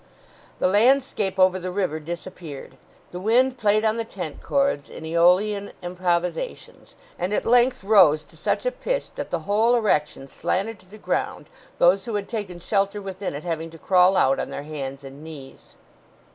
The landscape over the river disappeared; the wind played on the tent cords in Æolian improvisations, and at length rose to such a pitch that the whole erection slanted to the ground those who had taken shelter within it having to crawl out on their hands and knees.